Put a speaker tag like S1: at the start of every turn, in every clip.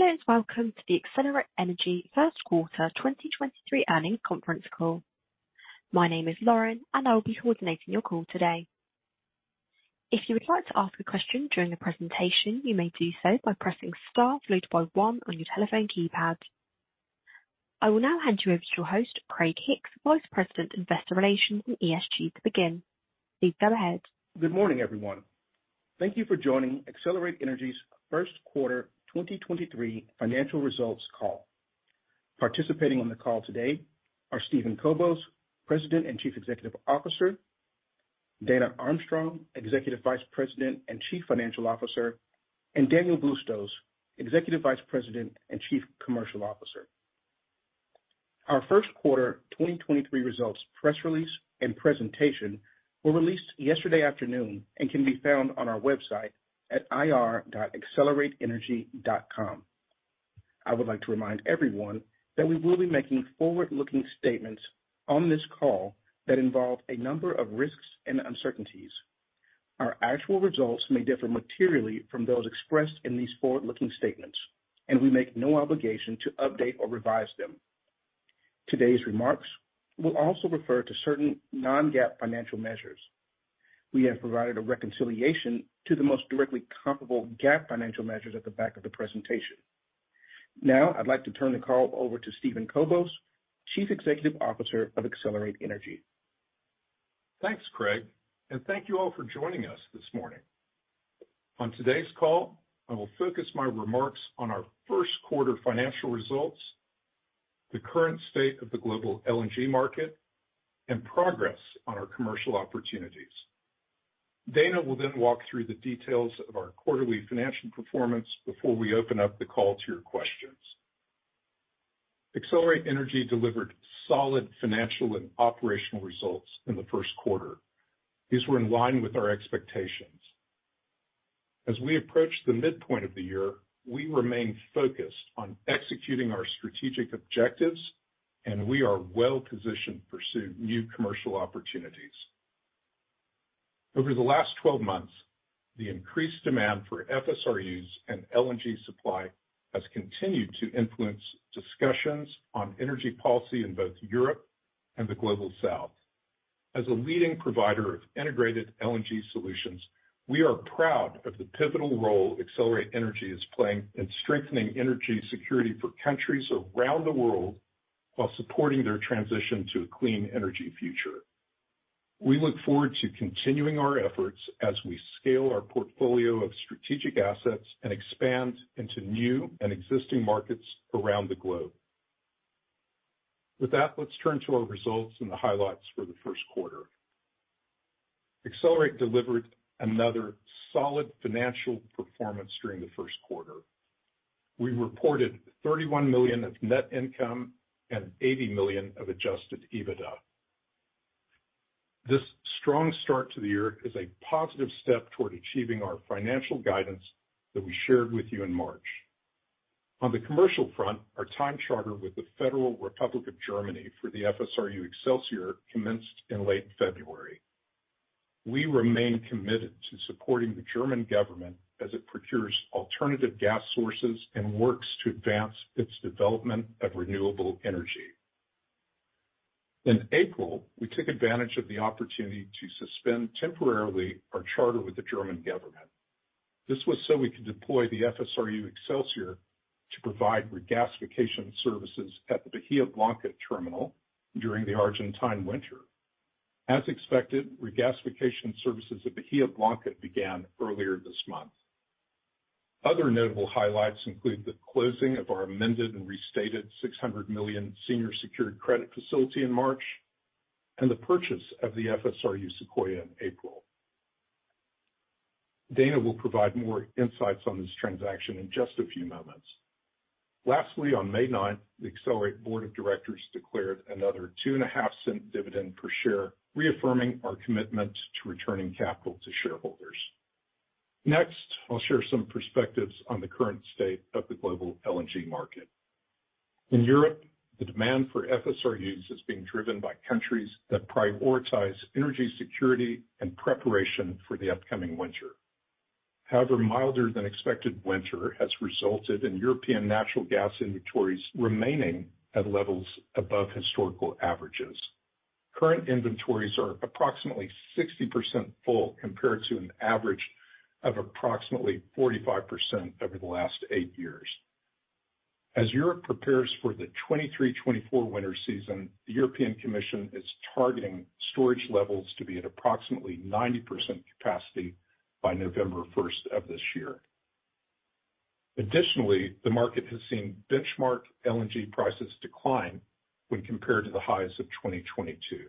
S1: Hello, welcome to the Excelerate Energy Q1 2023 Earnings Conference Call. My name is Lauren, and I will be coordinating your call today. If you would like to ask a question during the presentation, you may do so by pressing star followed by 1 on your telephone keypad. I will now hand you over to your host, Craig Hicks, Vice President, Investor Relations and ESG to begin. Please go ahead.
S2: Good morning, everyone. Thank you for joining Excelerate Energy's Q1 2023 financial results call. Participating on the call today are Steven Kobos, President and Chief Executive Officer, Dana Armstrong, Executive Vice President and Chief Financial Officer, and Daniel Bustos, Executive Vice President and Chief Commercial Officer. Our Q1 2023 results, press release, and presentation were released yesterday afternoon and can be found on our website at ir.excelerateenergy.com. I would like to remind everyone that we will be making forward-looking statements on this call that involve a number of risks and uncertainties. Our actual results may differ materially from those expressed in these forward-looking statements. We make no obligation to update or revise them. Today's remarks will also refer to certain non-GAAP financial measures. We have provided a reconciliation to the most directly comparable GAAP financial measures at the back of the presentation. I'd like to turn the call over to Steven Kobos, Chief Executive Officer of Excelerate Energy.
S3: Thanks, Craig. Thank you all for joining us this morning. On today's call, I will focus my remarks on our Q1 financial results, the current state of the global LNG market, and progress on our commercial opportunities. Dana will walk through the details of our quarterly financial performance before we open up the call to your questions. Excelerate Energy delivered solid financial and operational results in the Q1. These were in line with our expectations. As we approach the midpoint of the year, we remain focused on executing our strategic objectives. We are well-positioned to pursue new commercial opportunities. Over the last 12 months, the increased demand for FSRUs and LNG supply has continued to influence discussions on energy policy in both Europe and the Global South. As a leading provider of integrated LNG solutions, we are proud of the pivotal role Excelerate Energy is playing in strengthening energy security for countries around the world while supporting their transition to a clean energy future. We look forward to continuing our efforts as we scale our portfolio of strategic assets and expand into new and existing markets around the globe. Let's turn to our results and the highlights for the Q1. Excelerate Energy delivered another solid financial performance during the Q1. We reported $31 million of net income and $80 million of Adjusted EBITDA. This strong start to the year is a positive step toward achieving our financial guidance that we shared with you in March. Our time charter with the Federal Republic of Germany for the FSRU Excelsior commenced in late February. We remain committed to supporting the German government as it procures alternative gas sources and works to advance its development of renewable energy. In April, we took advantage of the opportunity to suspend temporarily our charter with the German government. This was so we could deploy the FSRU Excelsior to provide regasification services at the Bahía Blanca terminal during the Argentine winter. As expected, regasification services at Bahía Blanca began earlier this month. Other notable highlights include the closing of our amended and restated $600 million senior secured credit facility in March, and the purchase of the FSRU Sequoia in April. Dana will provide more insights on this transaction in just a few moments. Lastly, on May 9th, the Excelerate Board of Directors declared another $0.025 dividend per share, reaffirming our commitment to returning capital to shareholders. Next, I'll share some perspectives on the current state of the global LNG market. In Europe, the demand for FSRUs is being driven by countries that prioritize energy security and preparation for the upcoming winter. However, milder than expected winter has resulted in European natural gas inventories remaining at levels above historical averages. Current inventories are approximately 60% full, compared to an average of approximately 45% over the last eight years. As Europe prepares for the 2023/2024 winter season, the European Commission is targeting storage levels to be at approximately 90% capacity by November 1st of this year. Additionally, the market has seen benchmark LNG prices decline when compared to the highs of 2022.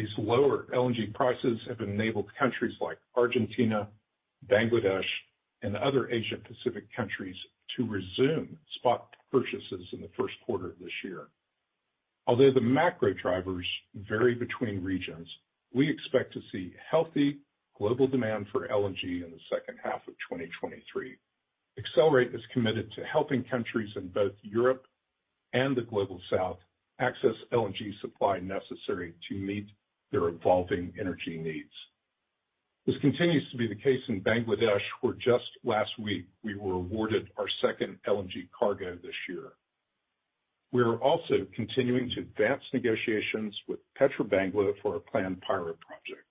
S3: These lower LNG prices have enabled countries like Argentina, Bangladesh, and other Asia-Pacific countries to resume spot purchases in the Q1 of this year. Although the macro drivers vary between regions, we expect to see healthy global demand for LNG in the 2nd half of 2023. Excelerate Energy is committed to helping countries in both Europe and the global south access LNG supply necessary to meet their evolving energy needs. This continues to be the case in Bangladesh, where just last week we were awarded our second LNG cargo this year. We are also continuing to advance negotiations with Petrobangla for a planned Payra project.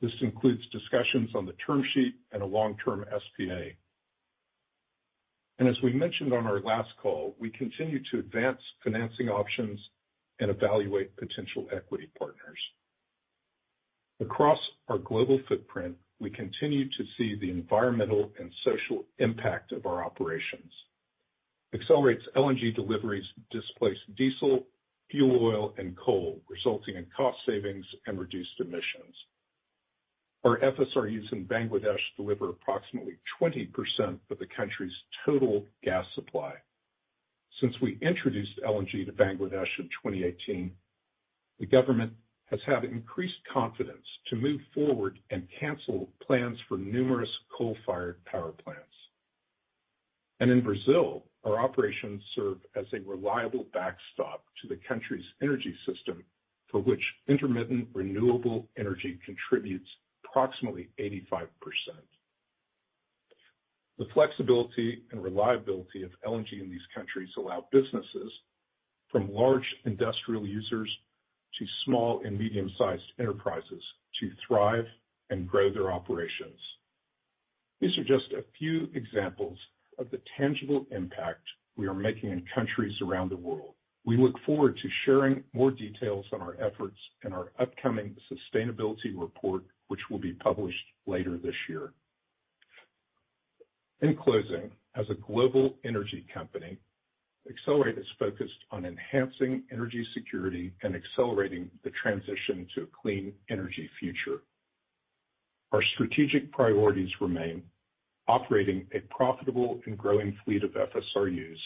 S3: This includes discussions on the term sheet and a long-term SPA. As we mentioned on our last call, we continue to advance financing options and evaluate potential equity partners. Across our global footprint, we continue to see the environmental and social impact of our operations. Excelerate's LNG deliveries displace diesel, fuel, oil, and coal, resulting in cost savings and reduced emissions. Our FSRUs in Bangladesh deliver approximately 20% of the country's total gas supply. Since we introduced LNG to Bangladesh in 2018, the government has had increased confidence to move forward and cancel plans for numerous coal-fired power plants. In Brazil, our operations serve as a reliable backstop to the country's energy system, for which intermittent renewable energy contributes approximately 85%. The flexibility and reliability of LNG in these countries allow businesses from large industrial users to small and medium-sized enterprises to thrive and grow their operations. These are just a few examples of the tangible impact we are making in countries around the world. We look forward to sharing more details on our efforts in our upcoming sustainability report, which will be published later this year. In closing, as a global energy company, Excelerate Energy is focused on enhancing energy security and accelerating the transition to a clean energy future. Our strategic priorities remain operating a profitable and growing fleet of FSRUs,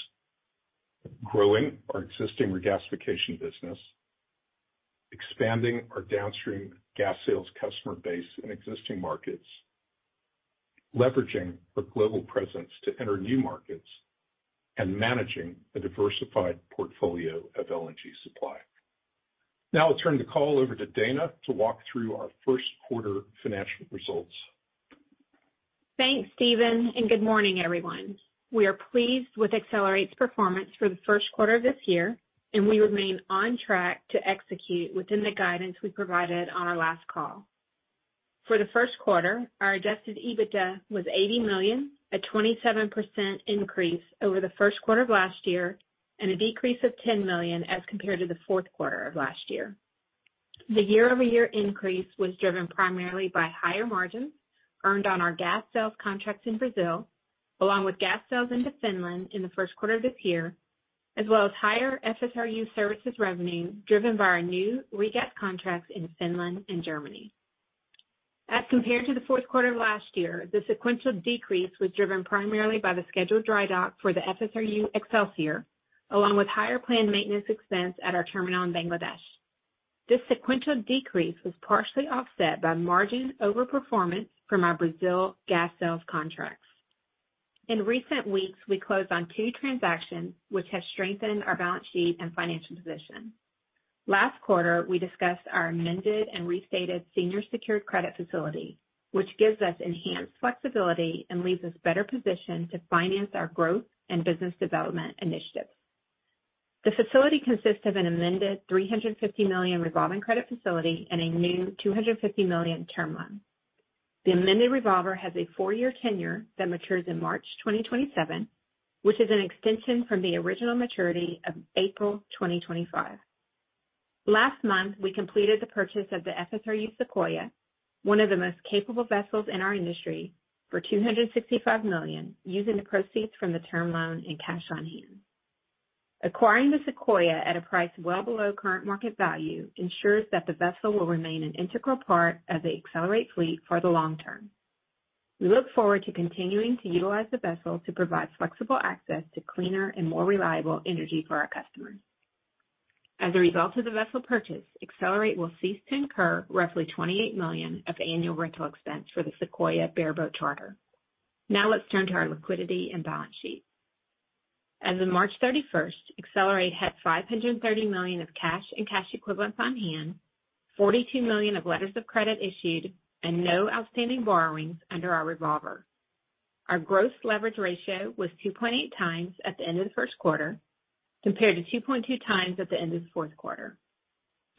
S3: growing our existing ReGasification business, expanding our downstream gas sales customer base in existing markets, leveraging our global presence to enter new markets, and managing a diversified portfolio of LNG supply. Now I'll turn the call over to Dana to walk through our Q1 financial results.
S4: Thanks, Steven, and good morning, everyone. We are pleased with Excelerate's performance for the Q1 of this year, and we remain on track to execute within the guidance we provided on our last call. For the Q1, our Adjusted EBITDA was $80 million, a 27% increase over the Q1 of last year, and a decrease of $10 million as compared to the Q4 of last year. The year-over-year increase was driven primarily by higher margins earned on our gas sales contracts in Brazil, along with gas sales into Finland in the Q1 of this year, as well as higher FSRU services revenue driven by our new ReGas contracts in Finland and Germany. As compared to the Q4 of last year, the sequential decrease was driven primarily by the scheduled dry dock for the FSRU Excelsior, along with higher planned maintenance expense at our terminal in Bangladesh. This sequential decrease was partially offset by margin overperformance from our Brazil gas sales contracts. In recent weeks, we closed on two transactions which have strengthened our balance sheet and financial position. Last quarter, we discussed our amended and restated senior secured credit facility, which gives us enhanced flexibility and leaves us better positioned to finance our growth and business development initiatives. The facility consists of an amended $350 million revolving credit facility and a new $250 million term loan. The amended revolver has a four-year tenure that matures in March 2027, which is an extension from the original maturity of April 2025. Last month, we completed the purchase of the FSRU Sequoia, one of the most capable vessels in our industry, for $265 million using the proceeds from the term loan and cash on hand. Acquiring the Sequoia at a price well below current market value ensures that the vessel will remain an integral part of the Excelerate fleet for the long term. We look forward to continuing to utilize the vessel to provide flexible access to cleaner and more reliable energy for our customers. As a result of the vessel purchase, Excelerate will cease to incur roughly $28 million of annual rental expense for the Sequoia bareboat charter. Let's turn to our liquidity and balance sheet. As of March 31st, Excelerate had $530 million of cash and cash equivalents on hand, $42 million of letters of credit issued, and no outstanding borrowings under our revolver. Our gross leverage ratio was 2.8 times at the end of the Q1, compared to 2.2 times at the end of the Q4.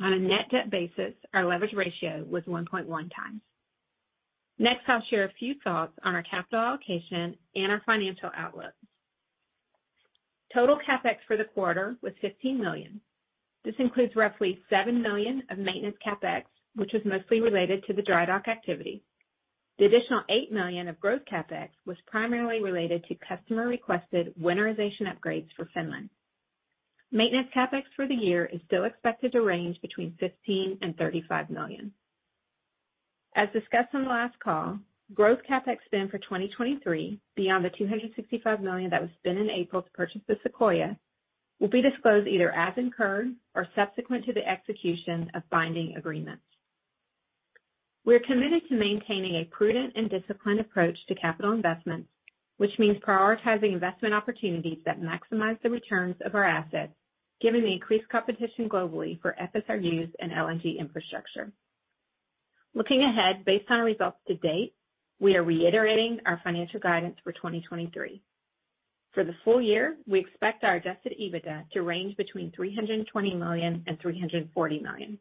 S4: On a net debt basis, our leverage ratio was 1.1 times. Next, I'll share a few thoughts on our capital allocation and our financial outlook. Total CapEx for the quarter was $15 million. This includes roughly $7 million of Maintenance CapEx, which was mostly related to the dry dock activity. The additional $8 million of Growth CapEx was primarily related to customer-requested winterization upgrades for Finland. Maintenance CapEx for the year is still expected to range between $15 million and $35 million. As discussed on the last call, Growth CapEx spend for 2023 beyond the $265 million that was spent in April to purchase the Sequoia, will be disclosed either as incurred or subsequent to the execution of binding agreements. We're committed to maintaining a prudent and disciplined approach to capital investments, which means prioritizing investment opportunities that maximize the returns of our assets, given the increased competition globally for FSRUs and LNG infrastructure. Looking ahead, based on our results to date, we are reiterating our financial guidance for 2023. For the full year, we expect our Adjusted EBITDA to range between $320 million and $340 million.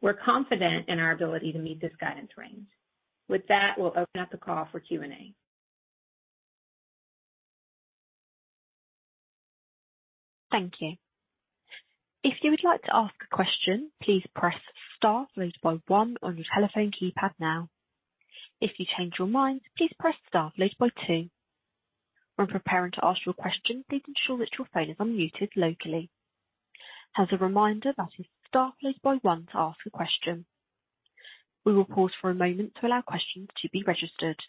S4: We're confident in our ability to meet this guidance range. With that, we'll open up the call for Q&A.
S1: Thank you. If you would like to ask a question, please press Star followed by 1 on your telephone keypad now. If you change your mind, please press Star followed by 2. When preparing to ask your question, please ensure that your phone is unmuted locally. As a reminder, that is Star followed by 1 to ask a question. We will pause for a moment to allow questions to be registered.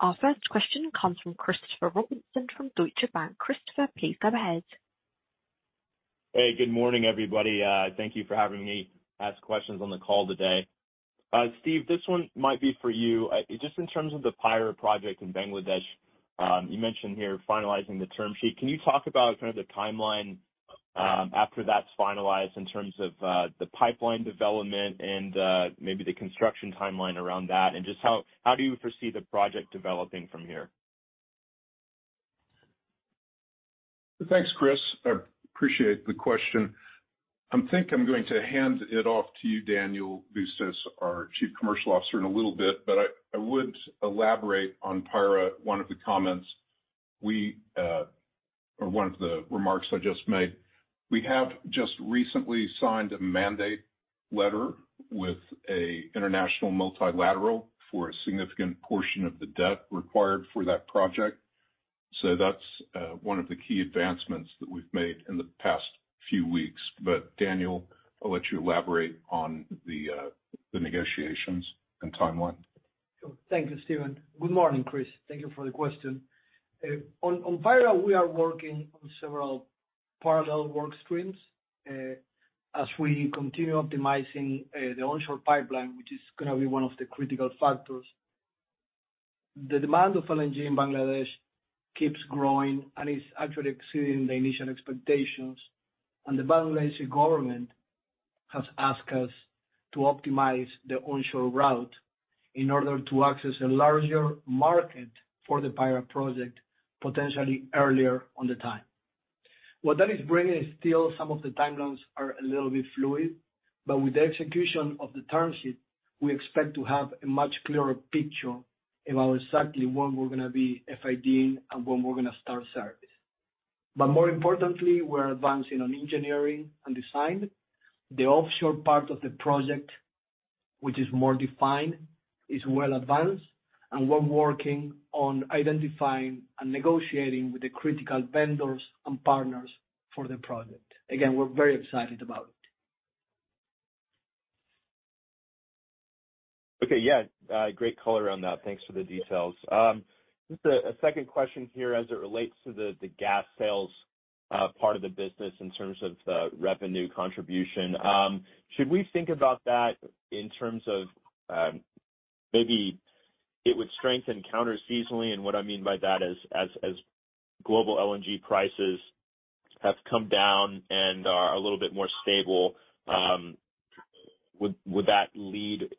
S1: Our first question comes from Christopher Robinson from Deutsche Bank. Christopher, please go ahead.
S5: Hey, good morning, everybody. Thank you for having me ask questions on the call today. Steve, this one might be for you. Just in terms of the Payra project in Bangladesh, you mentioned here finalizing the term sheet. Can you talk about kind of the timeline after that's finalized in terms of the pipeline development and maybe the construction timeline around that and just how do you foresee the project developing from here?
S3: Thanks, Chris. I appreciate the question. I think I'm going to hand it off to you, Daniel Bustos, our Chief Commercial Officer, in a little bit. I would elaborate on Payra, one of the comments we or one of the remarks I just made. We have just recently signed a mandate letter with an international multilateral for a significant portion of the debt required for that project. That's one of the key advancements that we've made in the past few weeks. Daniel, I'll let you elaborate on the negotiations and timeline.
S6: Thank you, Steven. Good morning, Chris. Thank you for the question. On Payra, we are working on several parallel work streams as we continue optimizing the onshore pipeline, which is gonna be one of the critical factors. The demand of LNG in Bangladesh keeps growing and is actually exceeding the initial expectations. The Bangladeshi government has asked us to optimize the onshore route in order to access a larger market for the Payra project, potentially earlier on the time. What that is bringing is still some of the timelines are a little bit fluid, with the execution of the term sheet, we expect to have a much clearer picture about exactly when we're gonna be FID-ing and when we're gonna start service. More importantly, we're advancing on engineering and design. The offshore part of the project, which is more defined, is well advanced, and we're working on identifying and negotiating with the critical vendors and partners for the project. We're very excited about it.
S5: Okay. Yeah. great color on that. Thanks for the details. Just a second question here as it relates to the gas sales part of the business in terms of the revenue contribution. Should we think about that in terms of maybe it would strengthen counter-seasonally? What I mean by that is, as global LNG prices have come down and are a little bit more stable, would that lead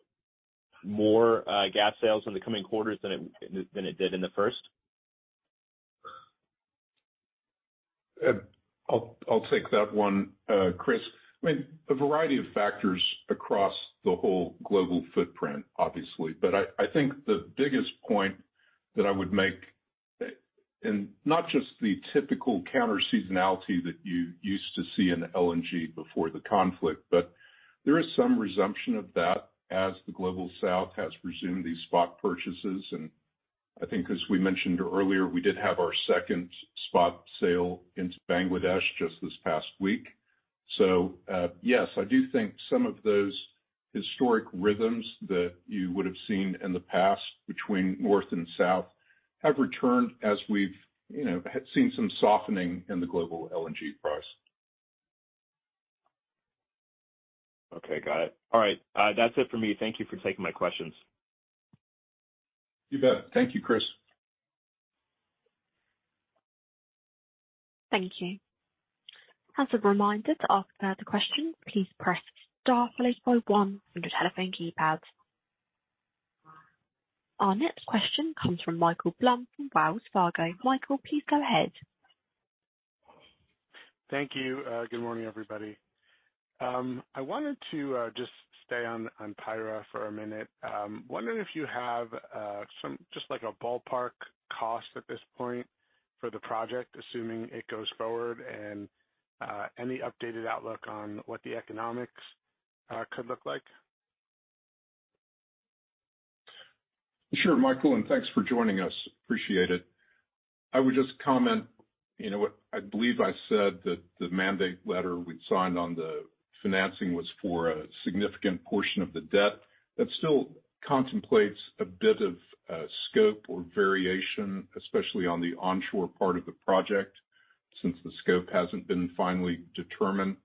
S5: more gas sales in the coming quarters than it did in the first?
S3: I'll take that one, Chris. I mean, a variety of factors across the whole global footprint, obviously. I think the biggest point that I would make, not just the typical counter-seasonality that you used to see in LNG before the conflict, there is some resumption of that as the Global South has resumed these spot purchases. I think as we mentioned earlier, we did have our second spot sale into Bangladesh just this past week. Yes, I do think some of those historic rhythms that you would have seen in the past between north and south have returned as we've, you know, have seen some softening in the global LNG price.
S5: Okay. Got it. All right. That's it for me. Thank you for taking my questions.
S3: You bet. Thank you, Chris.
S1: Thank you. As a reminder, to ask further questions, please press Star followed by one on your telephone keypad. Our next question comes from Michael Blum from Wells Fargo. Michael, please go ahead.
S7: Thank you. Good morning, everybody. I wanted to just stay on Payra for a minute. Wondering if you have some just like a ballpark cost at this point for the project, assuming it goes forward, and any updated outlook on what the economics could look like.
S3: Sure, Michael. Thanks for joining us. Appreciate it. I would just comment, you know, I believe I said that the mandate letter we signed on the financing was for a significant portion of the debt that still contemplates a bit of scope or variation, especially on the onshore part of the project, since the scope hasn't been finally determined.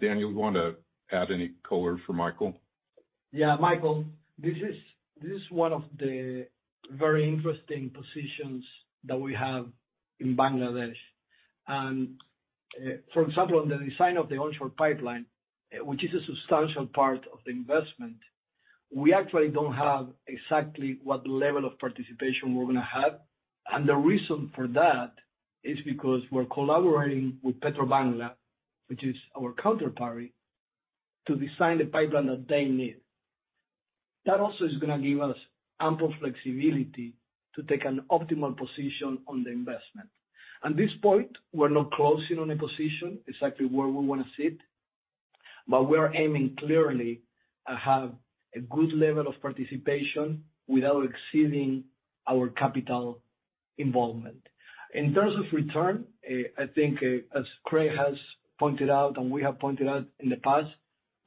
S3: Daniel, you wanna add any color for Michael?
S6: Yeah. Michael, this is one of the very interesting positions that we have in Bangladesh. For example, on the design of the onshore pipeline, which is a substantial part of the investment, we actually don't have exactly what level of participation we're gonna have. The reason for that is because we're collaborating with Petrobangla, which is our counterparty, to design the pipeline that they need. That also is gonna give us ample flexibility to take an optimal position on the investment. At this point, we're not closing on a position exactly where we wanna sit, but we are aiming clearly to have a good level of participation without exceeding our capital involvement. In terms of return, I think, as Craig has pointed out and we have pointed out in the past,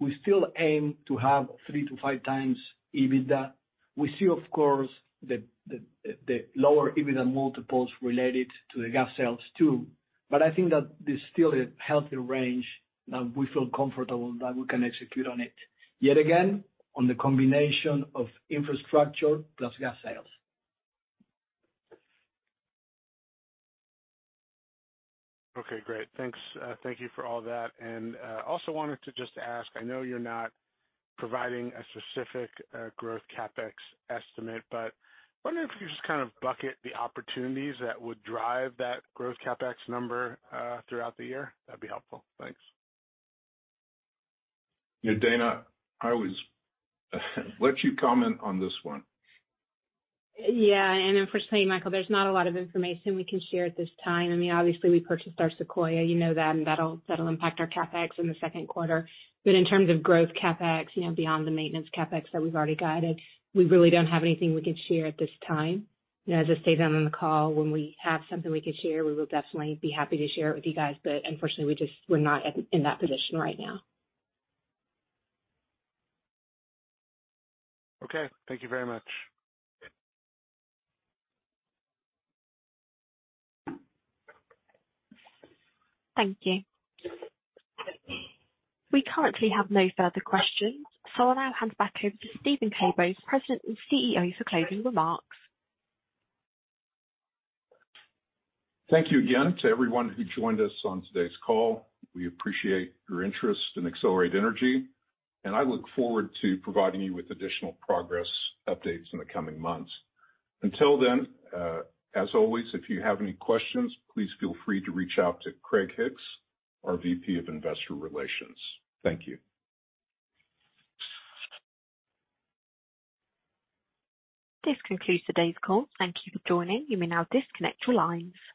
S6: we still aim to have 3 to 5 times EBITDA. We see, of course, the, the lower EBITDA multiples related to the gas sales too, but I think that there's still a healthy range that we feel comfortable that we can execute on it, yet again, on the combination of infrastructure plus gas sales.
S7: Okay. Great. Thanks. Thank you for all that. Also wanted to just ask, I know you're not providing a specific, Growth CapEx estimate, but wondering if you could just kind of bucket the opportunities that would drive that Growth CapEx number, throughout the year. That'd be helpful. Thanks.
S3: Yeah. Dana, I always let you comment on this one.
S4: Unfortunately, Michael, there's not a lot of information we can share at this time. I mean, obviously, we purchased our FSRU Sequoia, you know that, and that'll impact our CapEx in the Q2. In terms of Growth CapEx, you know, beyond the Maintenance CapEx that we've already guided, we really don't have anything we can share at this time. You know, as I stated on the call, when we have something we could share, we will definitely be happy to share it with you guys. Unfortunately, we're not in that position right now.
S7: Okay. Thank you very much.
S1: Thank you. We currently have no further questions. I'll now hand back over to Steven Kobos, President and CEO, for closing remarks.
S3: Thank you again to everyone who joined us on today's call. We appreciate your interest in Excelerate Energy. I look forward to providing you with additional progress updates in the coming months. Until then, as always, if you have any questions, please feel free to reach out to Craig Hicks, our VP of Investor Relations. Thank you.
S1: This concludes today's call. Thank you for joining. You may now disconnect your lines.